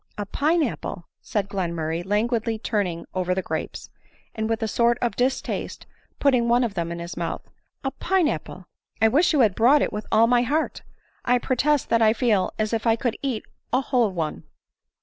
" A pine apple !" said Glenmurray languidly turning over the grapes, and with a sort of distaste putting one of them in his mouth, " a pine apple ! I wish you had bought it with all my heart ! I protest that I feel as if I could eat a whole one."